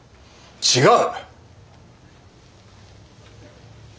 違う！